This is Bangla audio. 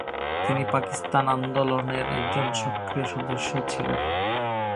তিনি পাকিস্তান আন্দোলনের একজন সক্রিয় সদস্য ছিলেন।